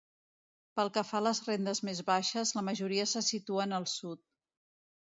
Pel que fa a les rendes més baixes, la majoria se situen al sud.